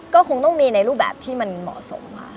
ก็คงต้องมีในรูปแบบที่มันเหมาะสมค่ะ